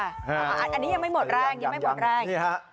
อันนี้ยังไม่หมดแรงยังไม่หมดแรงนี่ฮะ